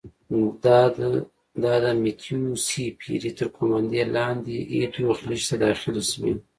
دا د متیو سي پیري تر قوماندې لاندې ایدو خلیج ته داخلې شوې.